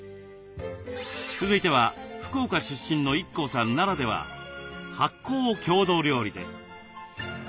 続いては福岡出身のＩＫＫＯさんならでは発酵郷土料理です。